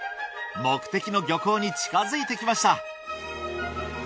目的の漁港に近づいてきました